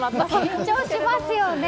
緊張しますよね。